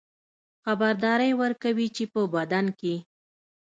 خبرداری ورکوي چې په بدن کې